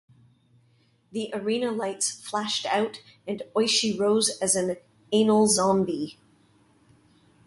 The arena lights flashed out and Oishi rose as an "anal zombie".